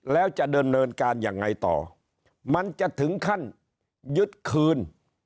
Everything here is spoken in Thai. แล้วจะเดินเนินการยังไงต่อมันจะถึงขั้นยึดคืน